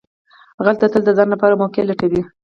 غل تل د ځان لپاره موقع لټوي